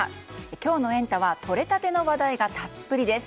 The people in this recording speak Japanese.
今日のエンタ！はとれたての話題がたっぷりです。